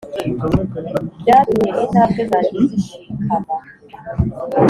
Byatumye intambwe zanjye zishikama,